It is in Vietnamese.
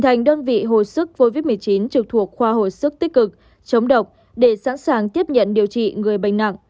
hồi sức covid một mươi chín trực thuộc khoa hồi sức tích cực chống độc để sẵn sàng tiếp nhận điều trị người bệnh nặng